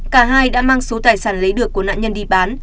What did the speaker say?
cả hai đã mang số tài sản lấy được của nạn nhân đi bán